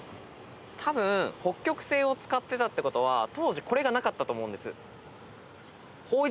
たぶん北極星を使ってたってことは当時これがなかったと思うんです。